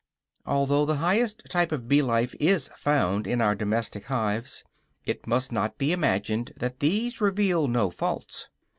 Although the highest type of bee life is found in our domestic hives, it must not be imagined that these reveal no faults.